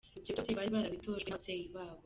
Ibyo byose bari barabitojwe n’ababyeyi babo.